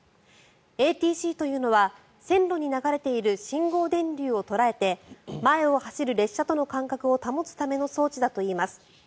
ＡＴＣというのは線路に流れている信号電流を捉えて前を走る列車との間隔を保つための装置だといいます。